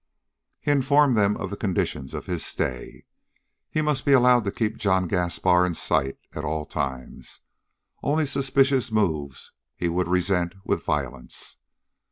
He informed them of the conditions of his stay. He must be allowed to keep John Gaspar in sight at all times. Only suspicious moves he would resent with violence.